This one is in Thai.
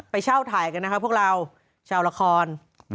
ไปเช่าถ่ายกันนะคะพวกเราชาวละคร